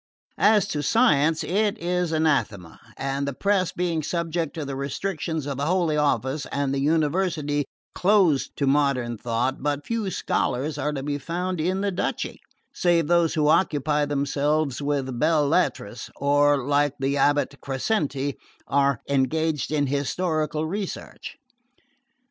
As to science, it is anathema; and the press being subject to the restrictions of the Holy Office, and the University closed to modern thought, but few scholars are to be found in the duchy, save those who occupy themselves with belles lettres, or, like the abate Crescenti, are engaged in historical research.